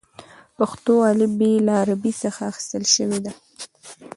پښتو الفبې له عربي څخه اخیستل شوې ده.